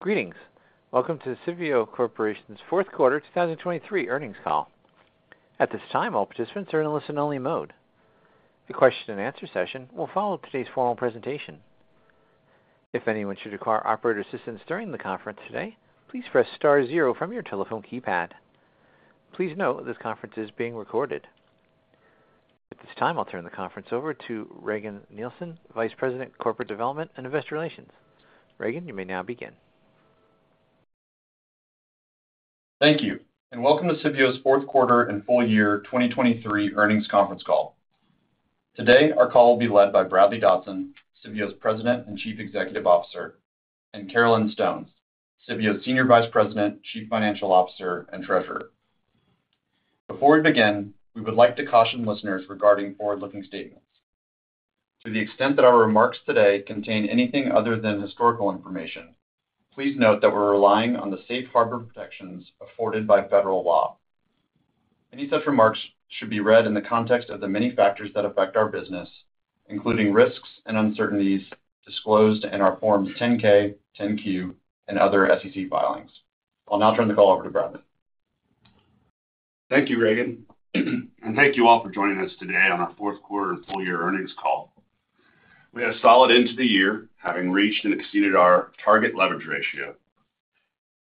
Greetings. Welcome to Civeo Corporation's Fourth Quarter 2023 Earnings Call. At this time, all participants are in listen-only mode. The question-and-answer session will follow today's formal presentation. If anyone should require operator assistance during the conference today, please press star zero from your telephone keypad. Please note this conference is being recorded. At this time, I'll turn the conference over to Regan Nielsen, Vice President Corporate Development and Investor Relations. Regan, you may now begin. Thank you, and welcome to Civeo's Fourth Quarter and Full Year 2023 Earnings Conference Call. Today, our call will be led by Bradley Dodson, Civeo's President and Chief Executive Officer, and Carolyn Stone, Civeo's Senior Vice President, Chief Financial Officer, and Treasurer. Before we begin, we would like to caution listeners regarding forward-looking statements. To the extent that our remarks today contain anything other than historical information, please note that we're relying on the safe harbor protections afforded by federal law. Any such remarks should be read in the context of the many factors that affect our business, including risks and uncertainties disclosed in our Forms 10-K, 10-Q, and other SEC filings. I'll now turn the call over to Bradley. Thank you, Regan, and thank you all for joining us today on our fourth quarter and full year earnings call. We had a solid end to the year, having reached and exceeded our target leverage ratio.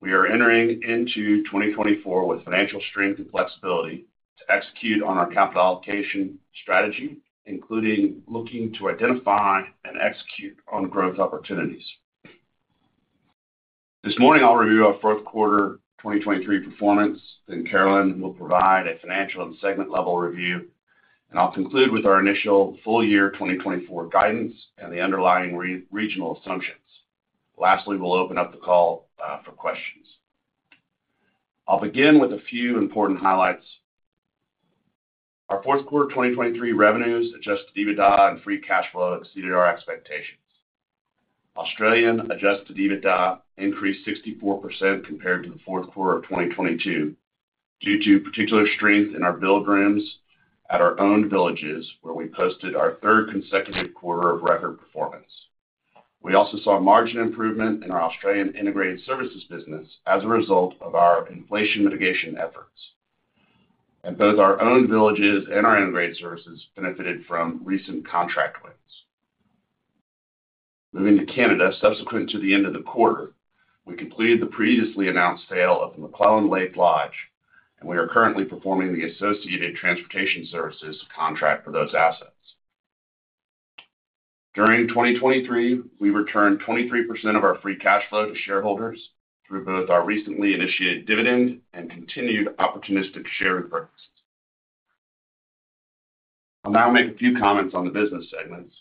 We are entering into 2024 with financial strength and flexibility to execute on our capital allocation strategy, including looking to identify and execute on growth opportunities. This morning, I'll review our fourth quarter 2023 performance, then Carolyn will provide a financial and segment-level review, and I'll conclude with our initial full year 2024 guidance and the underlying regional assumptions. Lastly, we'll open up the call for questions. I'll begin with a few important highlights. Our fourth quarter 2023 revenues adjusted to EBITDA and free cash flow exceeded our expectations. Australian Adjusted EBITDA increased 64% compared to the fourth quarter of 2022 due to particular strength in our billed rooms at our owned villages, where we posted our third consecutive quarter of record performance. We also saw margin improvement in our Australian integrated services business as a result of our inflation mitigation efforts, and both our owned villages and our integrated services benefited from recent contract wins. Moving to Canada, subsequent to the end of the quarter, we completed the previously announced sale of the McClelland Lake Lodge, and we are currently performing the associated transportation services contract for those assets. During 2023, we returned 23% of our free cash flow to shareholders through both our recently initiated dividend and continued opportunistic share repurchases. I'll now make a few comments on the business segments.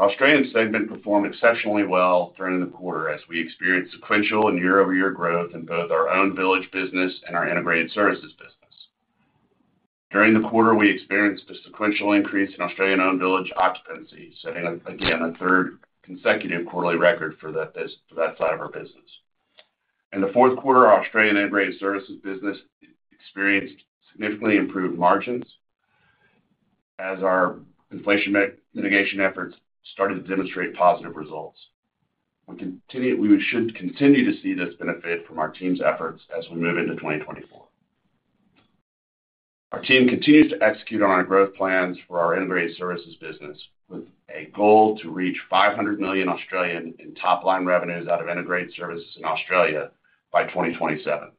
Our Australian segment performed exceptionally well during the quarter as we experienced sequential and year-over-year growth in both our owned village business and our integrated services business. During the quarter, we experienced a sequential increase in Australian owned village occupancy, setting again a third consecutive quarterly record for that side of our business. In the fourth quarter, our Australian integrated services business experienced significantly improved margins as our inflation mitigation efforts started to demonstrate positive results. We should continue to see this benefit from our team's efforts as we move into 2024. Our team continues to execute on our growth plans for our integrated services business with a goal to reach 500 million in top-line revenues out of integrated services in Australia by 2027.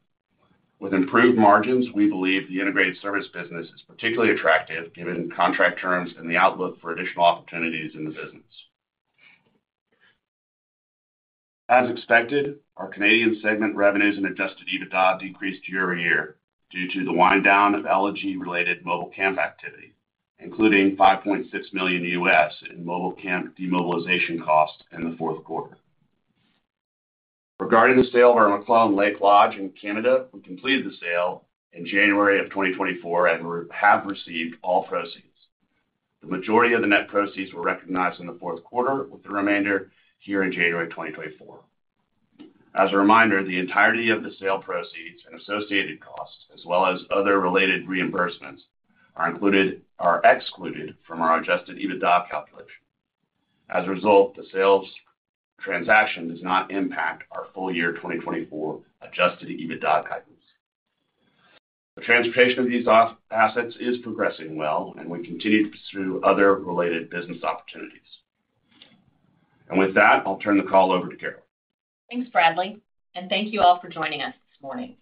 With improved margins, we believe the integrated service business is particularly attractive given contract terms and the outlook for additional opportunities in the business. As expected, our Canadian segment revenues and Adjusted EBITDA decreased year-over-year due to the wind-down of LNG-related mobile camp activity, including $5.6 million in mobile camp demobilization costs in the fourth quarter. Regarding the sale of our McLellan Lake Lodge in Canada, we completed the sale in January of 2024 and have received all proceeds. The majority of the net proceeds were recognized in the fourth quarter, with the remainder here in January 2024. As a reminder, the entirety of the sale proceeds and associated costs, as well as other related reimbursements, are excluded from our Adjusted EBITDA calculation. As a result, the sales transaction does not impact our full year 2024 Adjusted EBITDA guidance. The transportation of these assets is progressing well, and we continue to pursue other related business opportunities. And with that, I'll turn the call over to Carolyn. Thanks, Bradley, and thank you all for joining us this morning.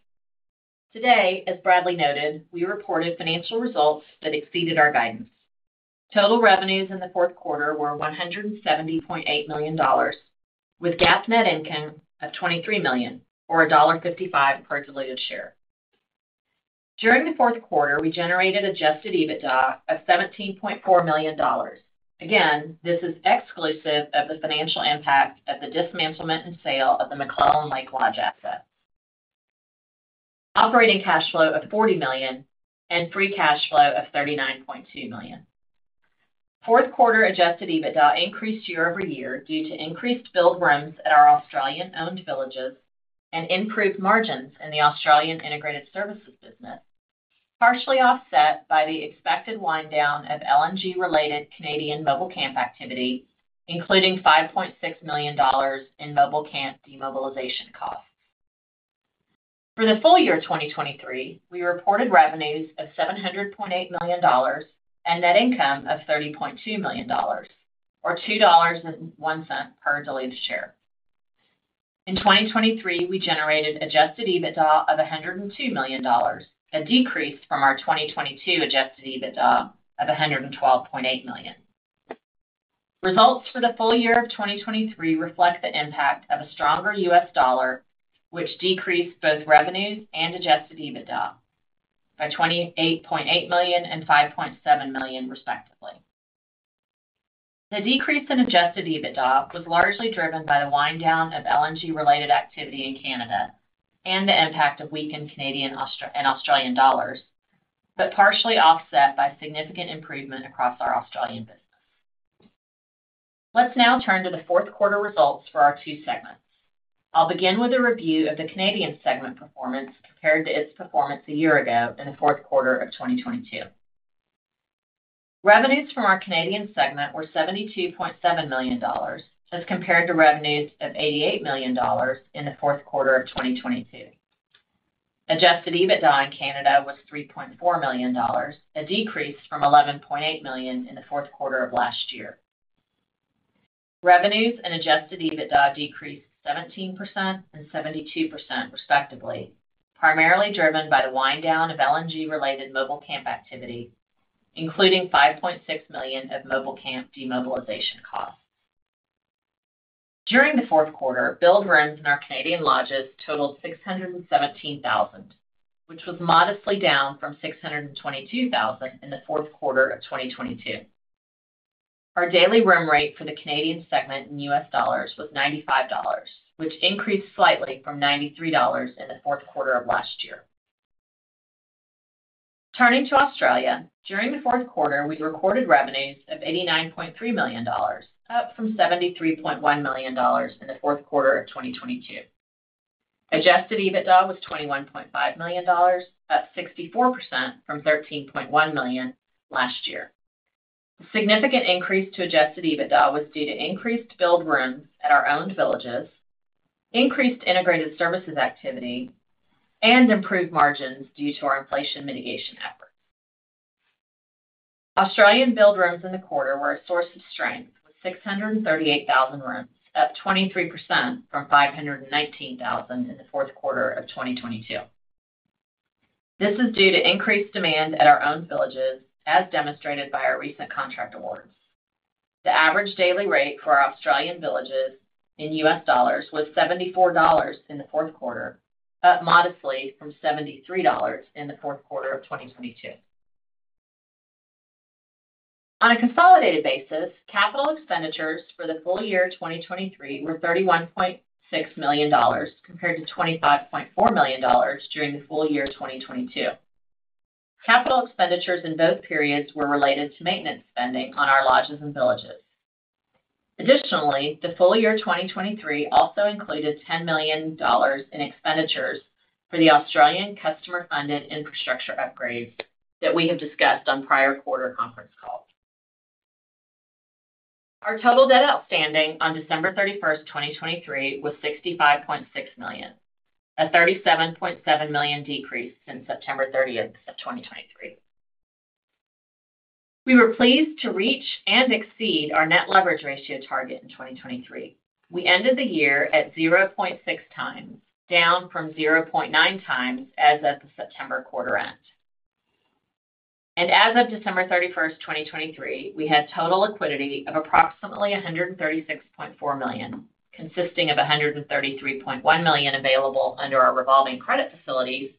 Today, as Bradley noted, we reported financial results that exceeded our guidance. Total revenues in the fourth quarter were $170.8 million, with GAAP net income of $23 million or $1.55 per diluted share. During the fourth quarter, we generated Adjusted EBITDA of $17.4 million. Again, this is exclusive of the financial impact of the dismantlement and sale of the McLellan Lake lodge asset, operating cash flow of $40 million, and Free Cash Flow of $39.2 million. Fourth quarter Adjusted EBITDA increased year-over-year due to increased billed rooms at our Australian owned villages and improved margins in the Australian integrated services business, partially offset by the expected winddown of LNG-related Canadian mobile camp activity, including $5.6 million in mobile camp demobilization costs. For the full year 2023, we reported revenues of $700.8 million and net income of $30.2 million, or $2.01 per diluted share. In 2023, we generated Adjusted EBITDA of $102 million, a decrease from our 2022 Adjusted EBITDA of $112.8 million. Results for the full year of 2023 reflect the impact of a stronger U.S. dollar, which decreased both revenues and Adjusted EBITDA by $28.8 million and $5.7 million, respectively. The decrease in Adjusted EBITDA was largely driven by the wind-down of LNG-related activity in Canada and the impact of weakened Canadian and Australian dollars, but partially offset by significant improvement across our Australian business. Let's now turn to the fourth quarter results for our two segments. I'll begin with a review of the Canadian segment performance compared to its performance a year ago in the fourth quarter of 2022. Revenues from our Canadian segment were $72.7 million as compared to revenues of $88 million in the fourth quarter of 2022. Adjusted EBITDA in Canada was $3.4 million, a decrease from $11.8 million in the fourth quarter of last year. Revenues and adjusted EBITDA decreased 17% and 72%, respectively, primarily driven by the winddown of LNG-related mobile camp activity, including $5.6 million of mobile camp demobilization costs. During the fourth quarter, billed rooms in our Canadian lodges totaled 617,000, which was modestly down from 622,000 in the fourth quarter of 2022. Our daily room rate for the Canadian segment in US dollars was $95, which increased slightly from $93 in the fourth quarter of last year. Turning to Australia, during the fourth quarter, we recorded revenues of $89.3 million, up from $73.1 million in the fourth quarter of 2022. Adjusted EBITDA was $21.5 million, up 64% from $13.1 million last year. The significant increase to adjusted EBITDA was due to increased billed rooms at our owned villages, increased integrated services activity, and improved margins due to our inflation mitigation efforts. Australian billed rooms in the quarter were a source of strength with 638,000 rooms, up 23% from 519,000 in the fourth quarter of 2022. This is due to increased demand at our owned villages, as demonstrated by our recent contract awards. The average daily rate for our Australian villages in US dollars was $74 in the fourth quarter, up modestly from $73 in the fourth quarter of 2022. On a consolidated basis, capital expenditures for the full year 2023 were $31.6 million compared to $25.4 million during the full year 2022. Capital expenditures in both periods were related to maintenance spending on our lodges and villages. Additionally, the full year 2023 also included $10 million in expenditures for the Australian customer-funded infrastructure upgrades that we have discussed on prior quarter conference calls. Our total debt outstanding on December 31st, 2023, was $65.6 million, a $37.7 million decrease since September 30th of 2023. We were pleased to reach and exceed our net leverage ratio target in 2023. We ended the year at 0.6 times, down from 0.9 times as of the September quarter end. And as of December 31st, 2023, we had total liquidity of approximately $136.4 million, consisting of $133.1 million available under our revolving credit facilities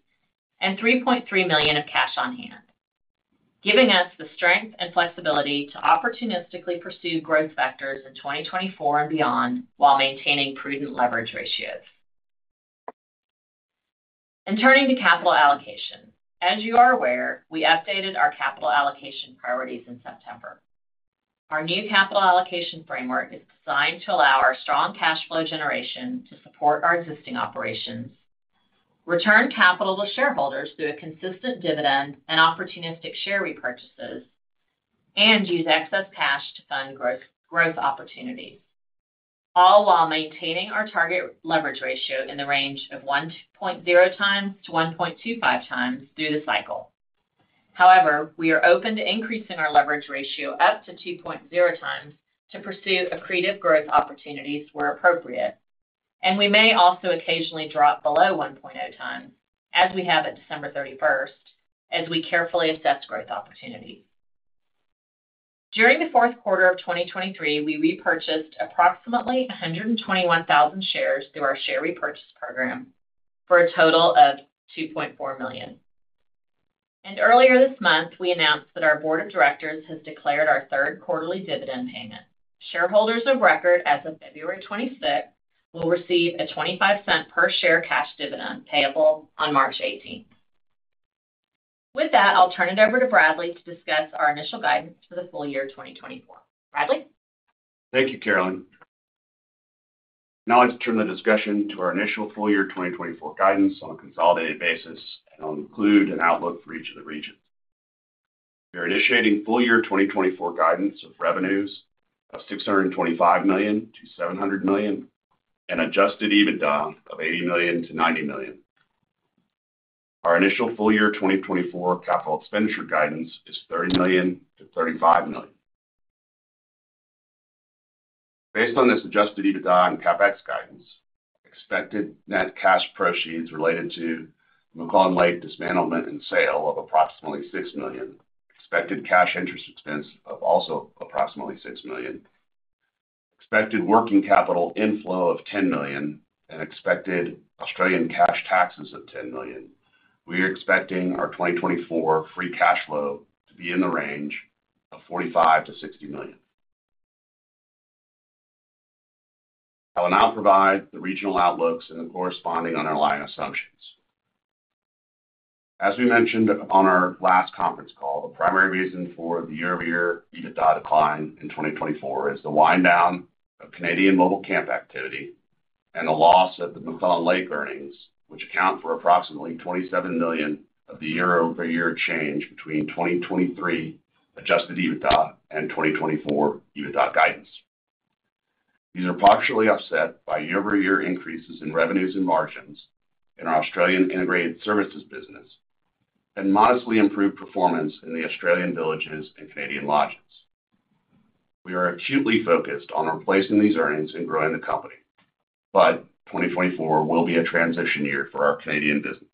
and $3.3 million of cash on hand, giving us the strength and flexibility to opportunistically pursue growth vectors in 2024 and beyond while maintaining prudent leverage ratios. And turning to capital allocation, as you are aware, we updated our capital allocation priorities in September. Our new capital allocation framework is designed to allow our strong cash flow generation to support our existing operations, return capital to shareholders through a consistent dividend and opportunistic share repurchases, and use excess cash to fund growth opportunities, all while maintaining our target leverage ratio in the range of 1.0 times to 1.25 times through the cycle. However, we are open to increasing our leverage ratio up to 2.0 times to pursue accretive growth opportunities where appropriate, and we may also occasionally drop below 1.0 times, as we have at December 31st, as we carefully assess growth opportunities. During the fourth quarter of 2023, we repurchased approximately 121,000 shares through our share repurchase program for a total of $2.4 million. Earlier this month, we announced that our board of directors has declared our third quarterly dividend payment. Shareholders of record, as of February 26th, will receive a $0.25 per share cash dividend payable on March 18th. With that, I'll turn it over to Bradley to discuss our initial guidance for the full year 2024. Bradley? Thank you, Carolyn. Now I'd turn the discussion to our initial full year 2024 guidance on a consolidated basis and I'll include an outlook for each of the regions. We are initiating full year 2024 guidance of revenues of $625 million-$700 million and Adjusted EBITDA of $80 million-$90 million. Our initial full year 2024 capital expenditure guidance is $30 million-$35 million. Based on this Adjusted EBITDA and CapEx guidance, expected net cash proceeds related to McLellan Lake dismantlement and sale of approximately $6 million, expected cash interest expense of also approximately $6 million, expected working capital inflow of $10 million, and expected Australian cash taxes of $10 million, we are expecting our 2024 free cash flow to be in the range of $45 million-$60 million. I will now provide the regional outlooks and the corresponding underlying assumptions. As we mentioned on our last conference call, the primary reason for the year-over-year EBITDA decline in 2024 is the winddown of Canadian mobile camp activity and the loss of the McLellan Lake earnings, which account for approximately $27 million of the year-over-year change between 2023 adjusted EBITDA and 2024 EBITDA guidance. These are partially offset by year-over-year increases in revenues and margins in our Australian integrated services business and modestly improved performance in the Australian villages and Canadian lodges. We are acutely focused on replacing these earnings and growing the company, but 2024 will be a transition year for our Canadian business.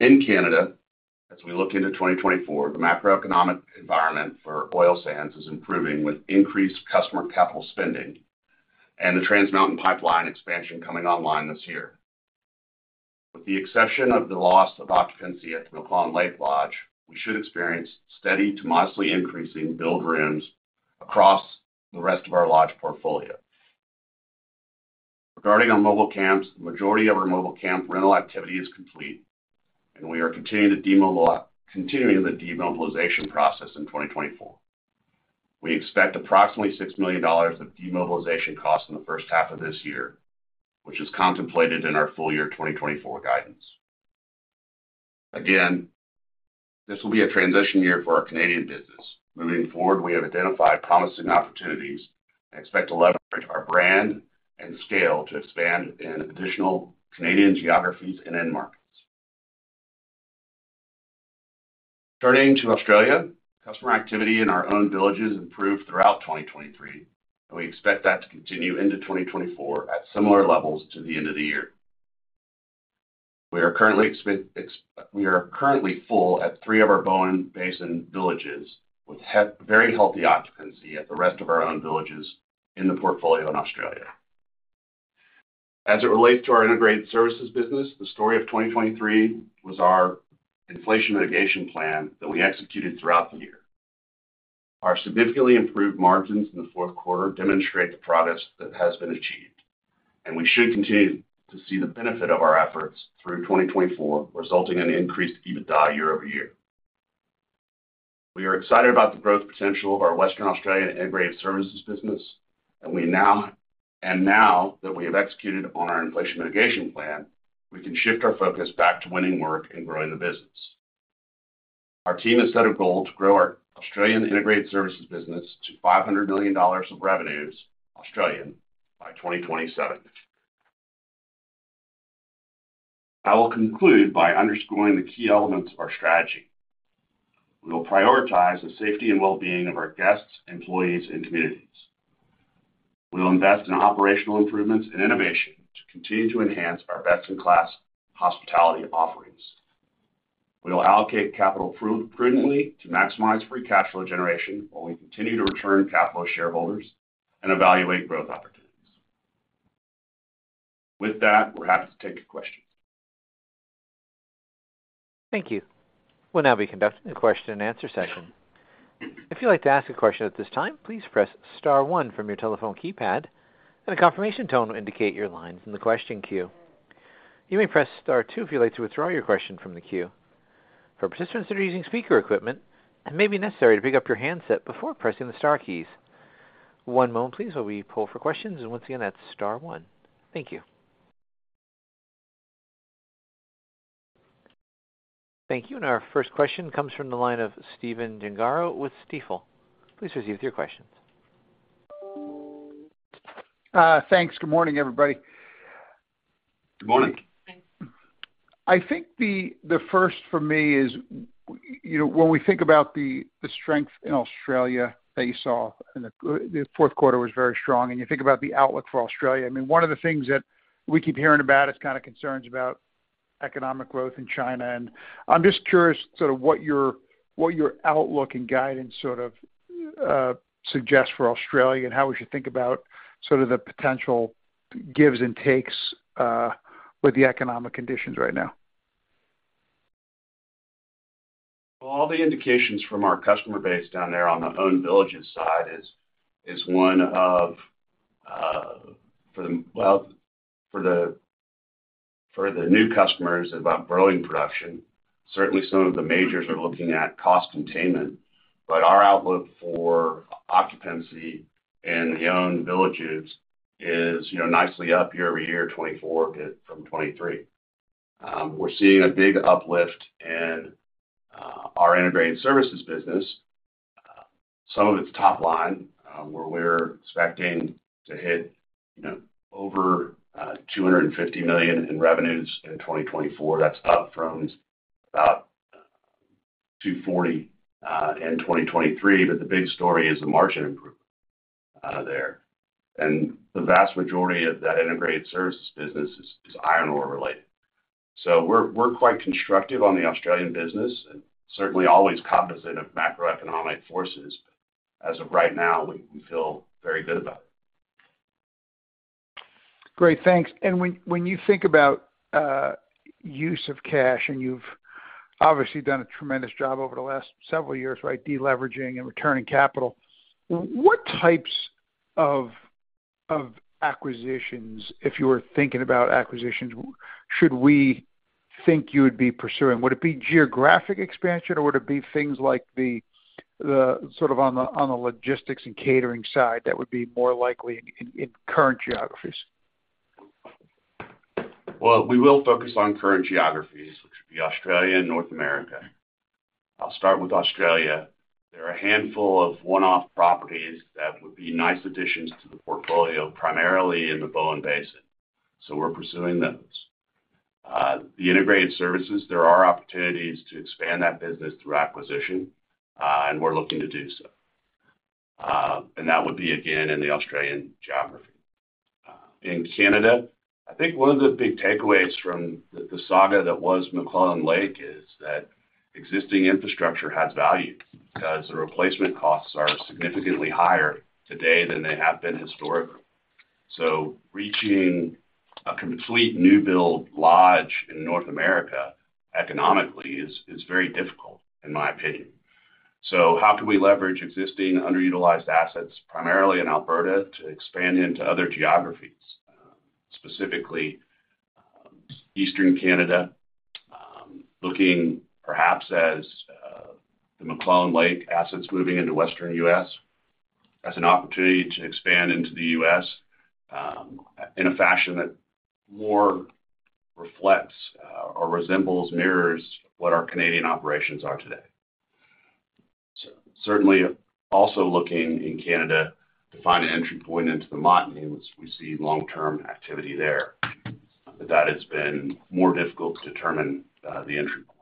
In Canada, as we look into 2024, the macroeconomic environment for oil sands is improving with increased customer capital spending and the Trans Mountain Pipeline expansion coming online this year. With the exception of the loss of occupancy at the McLellan Lake Lodge, we should experience steady to modestly increasing billed rooms across the rest of our lodge portfolio. Regarding our mobile camps, the majority of our mobile camp rental activity is complete, and we are continuing the demobilization process in 2024. We expect approximately $6 million of demobilization costs in the first half of this year, which is contemplated in our full year 2024 guidance. Again, this will be a transition year for our Canadian business. Moving forward, we have identified promising opportunities and expect to leverage our brand and scale to expand in additional Canadian geographies and end markets. Turning to Australia, customer activity in our owned villages improved throughout 2023, and we expect that to continue into 2024 at similar levels to the end of the year. We are currently full at three of our Bowen Basin villages with very healthy occupancy at the rest of our owned villages in the portfolio in Australia. As it relates to our integrated services business, the story of 2023 was our inflation mitigation plan that we executed throughout the year. Our significantly improved margins in the fourth quarter demonstrate the progress that has been achieved, and we should continue to see the benefit of our efforts through 2024, resulting in increased EBITDA year-over-year. We are excited about the growth potential of our Western Australian integrated services business, and now that we have executed on our inflation mitigation plan, we can shift our focus back to winning work and growing the business. Our team has set a goal to grow our Australian integrated services business to 500 million dollars of revenues Australian by 2027. I will conclude by underscoring the key elements of our strategy. We will prioritize the safety and well-being of our guests, employees, and communities. We will invest in operational improvements and innovation to continue to enhance our best-in-class hospitality offerings. We will allocate capital prudently to maximize free cash flow generation while we continue to return capital to shareholders and evaluate growth opportunities. With that, we're happy to take questions. Thank you. We'll now be conducting a question-and-answer session. If you'd like to ask a question at this time, please press star one from your telephone keypad, and a confirmation tone will indicate your line's in the question queue. You may press star two if you'd like to withdraw your question from the queue. For participants that are using speaker equipment, it may be necessary to pick up your handset before pressing the star keys. One moment, please, while we pull for questions, and once again, that's star one. Thank you. Thank you, and our first question comes from the line of Stephen Gengaro with Stifel. Please receive your questions. Thanks. Good morning, everybody. Good morning. I think the first for me is when we think about the strength in Australia that you saw in the fourth quarter was very strong, and you think about the outlook for Australia. I mean, one of the things that we keep hearing about is kind of concerns about economic growth in China. And I'm just curious sort of what your outlook and guidance sort of suggests for Australia and how we should think about sort of the potential gives and takes with the economic conditions right now. Well, all the indications from our customer base down there on the owned villages side is one of for the new customers about growing production, certainly some of the majors are looking at cost containment, but our outlook for occupancy in the owned villages is nicely up year-over-year, 2024 from 2023. We're seeing a big uplift in our integrated services business, some of its top line, where we're expecting to hit over $250 million in revenues in 2024. That's up from about $240 million in 2023, but the big story is the margin improvement there. And the vast majority of that integrated services business is iron ore related. So we're quite constructive on the Australian business and certainly always cognizant of macroeconomic forces, but as of right now, we feel very good about it. Great. Thanks. And when you think about use of cash, and you've obviously done a tremendous job over the last several years, right, deleveraging and returning capital, what types of acquisitions, if you were thinking about acquisitions, should we think you would be pursuing? Would it be geographic expansion, or would it be things like the sort of on the logistics and catering side that would be more likely in current geographies? Well, we will focus on current geographies, which would be Australia and North America. I'll start with Australia. There are a handful of one-off properties that would be nice additions to the portfolio, primarily in the Bowen Basin. So we're pursuing those. The Integrated Services, there are opportunities to expand that business through acquisition, and we're looking to do so. And that would be, again, in the Australian geography. In Canada, I think one of the big takeaways from the saga that was McLellan Lake is that existing infrastructure has value because the replacement costs are significantly higher today than they have been historically. So reaching a complete new build lodge in North America economically is very difficult, in my opinion. So how can we leverage existing underutilized assets, primarily in Alberta, to expand into other geographies, specifically Eastern Canada, looking perhaps as the McLellan Lake assets moving into Western US as an opportunity to expand into the US in a fashion that more reflects or resembles, mirrors what our Canadian operations are today? Certainly also looking in Canada to find an entry point into the Montney, which we see long-term activity there, but that has been more difficult to determine the entry point.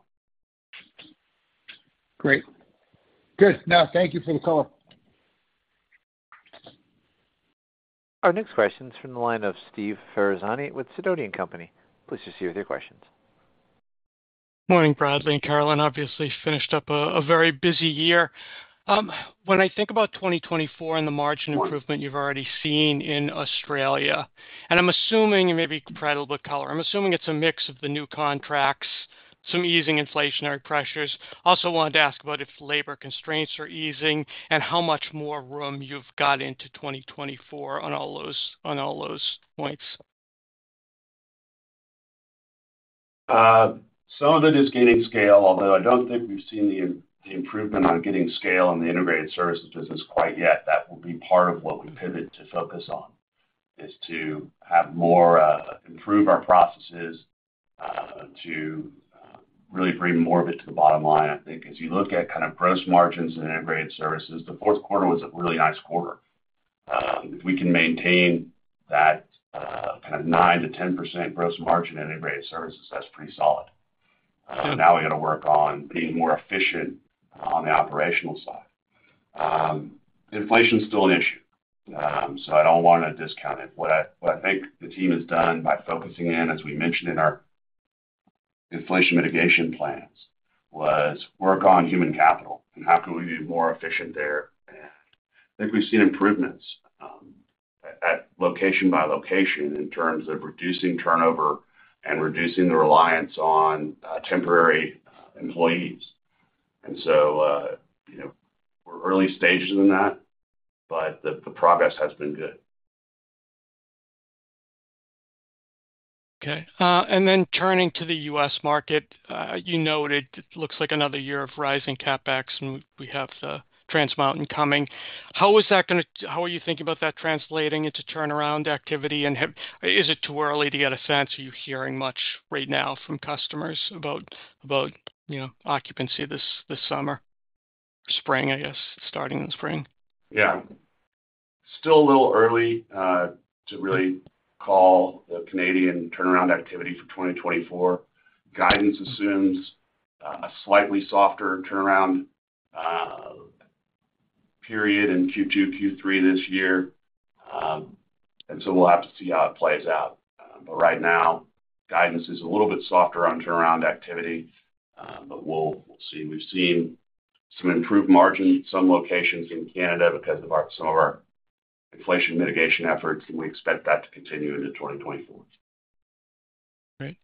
Great. Good. Now, thank you for the call. Our next question's from the line of Steve Ferazani with Sidoti & Company. Please proceed with your questions. Morning, Bradley and Carolyn. Obviously, finished up a very busy year. When I think about 2024 and the margin improvement you've already seen in Australia, and I'm assuming and maybe provide a little bit of color, I'm assuming it's a mix of the new contracts, some easing inflationary pressures. Also wanted to ask about if labor constraints are easing and how much more room you've got into 2024 on all those points. Some of it is gaining scale, although I don't think we've seen the improvement on getting scale in the integrated services business quite yet. That will be part of what we pivot to focus on, is to improve our processes to really bring more of it to the bottom line. I think as you look at kind of gross margins in integrated services, the fourth quarter was a really nice quarter. If we can maintain that kind of 9%-10% gross margin in integrated services, that's pretty solid. Now we got to work on being more efficient on the operational side. Inflation's still an issue, so I don't want to discount it. What I think the team has done by focusing in, as we mentioned in our inflation mitigation plans, was work on human capital and how can we be more efficient there. I think we've seen improvements at location by location in terms of reducing turnover and reducing the reliance on temporary employees. So we're early stages in that, but the progress has been good. Okay. And then turning to the U.S. market, you noted it looks like another year of rising CapEx, and we have the Trans Mountain coming. How is that going to, how are you thinking about that translating into turnaround activity? And is it too early to get a sense? Are you hearing much right now from customers about occupancy this summer or spring, I guess, starting in the spring? Yeah. Still a little early to really call the Canadian turnaround activity for 2024. Guidance assumes a slightly softer turnaround period in Q2, Q3 this year, and so we'll have to see how it plays out. But right now, guidance is a little bit softer on turnaround activity, but we'll see. We've seen some improved margin in some locations in Canada because of some of our inflation mitigation efforts, and we expect that to continue into 2024. Great.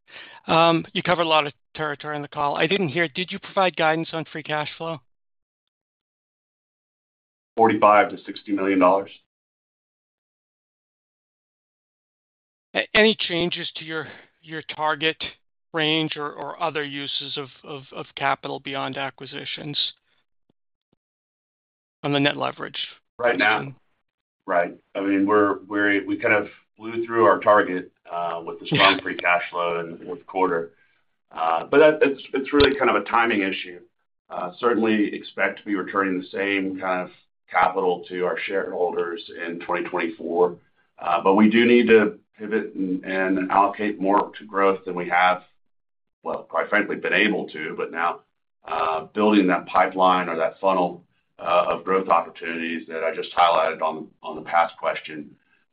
You covered a lot of territory in the call. I didn't hear. Did you provide guidance on Free Cash Flow? $45 million-$60 million. Any changes to your target range or other uses of capital beyond acquisitions on the net leverage position? Right now, right. I mean, we kind of blew through our target with the strong free cash flow in the fourth quarter, but it's really kind of a timing issue. Certainly expect to be returning the same kind of capital to our shareholders in 2024, but we do need to pivot and allocate more to growth than we have, well, quite frankly, been able to, but now building that pipeline or that funnel of growth opportunities that I just highlighted on the past question.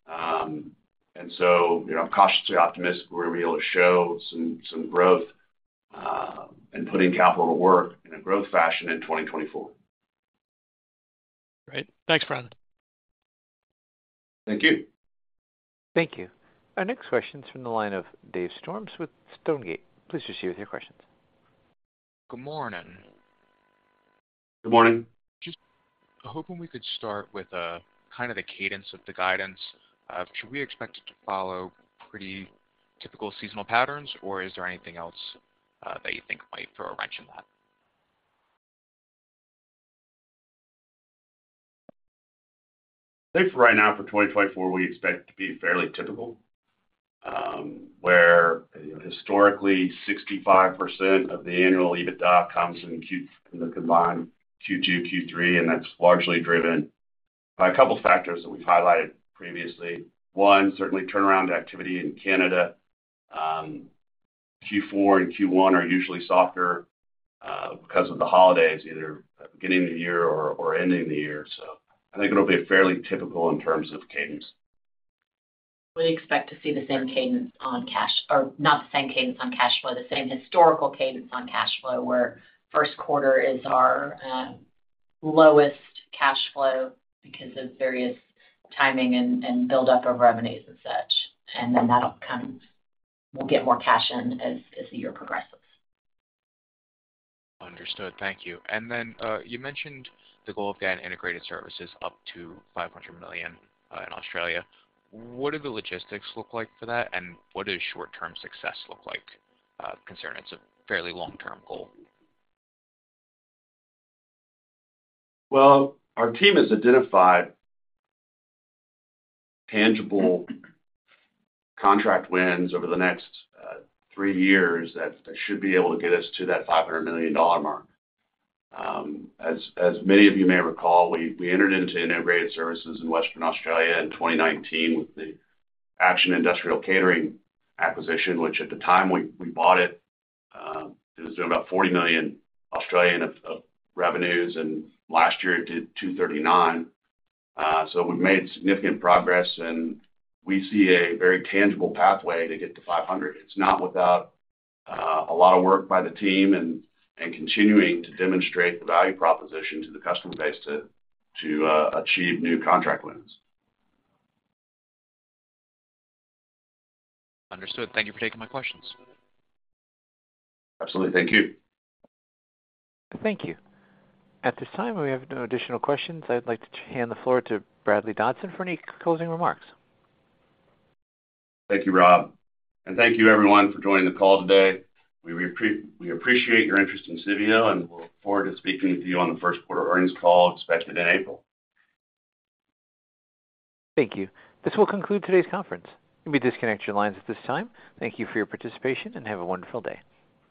And so I'm cautiously optimistic we're going to be able to show some growth and putting capital to work in a growth fashion in 2024. Great. Thanks, Bradley. Thank you. Thank you. Our next question's from the line of Dave Storms with Stonegate. Please proceed with your questions. Good morning. Good morning. I was hoping we could start with kind of the cadence of the guidance. Should we expect it to follow pretty typical seasonal patterns, or is there anything else that you think might throw a wrench in that? I think right now for 2024, we expect it to be fairly typical, where historically, 65% of the annual EBITDA comes in the combined Q2, Q3, and that's largely driven by a couple of factors that we've highlighted previously. One, certainly turnaround activity in Canada. Q4 and Q1 are usually softer because of the holidays, either beginning of the year or ending of the year. So I think it'll be fairly typical in terms of cadence. We expect to see the same cadence on cash or not the same cadence on cash flow, the same historical cadence on cash flow, where first quarter is our lowest cash flow because of various timing and buildup of revenues and such. And then that'll kind of we'll get more cash in as the year progresses. Understood. Thank you. And then you mentioned the goal of getting integrated services up to 500 million in Australia. What do the logistics look like for that, and what does short-term success look like concerning it's a fairly long-term goal? Well, our team has identified tangible contract wins over the next three years that should be able to get us to that $500 million mark. As many of you may recall, we entered into integrated services in Western Australia in 2019 with the Action Industrial Catering acquisition, which at the time we bought it, it was doing about 40 million of revenues, and last year it did 239 million. So we've made significant progress, and we see a very tangible pathway to get to 500. It's not without a lot of work by the team and continuing to demonstrate the value proposition to the customer base to achieve new contract wins. Understood. Thank you for taking my questions. Absolutely. Thank you. Thank you. At this time, we have no additional questions. I'd like to hand the floor to Bradley Dodson for any closing remarks. Thank you, Rob. Thank you, everyone, for joining the call today. We appreciate your interest in Civeo, and we'll look forward to speaking with you on the first quarter earnings call expected in April. Thank you. This will conclude today's conference. You may disconnect your lines at this time. Thank you for your participation, and have a wonderful day.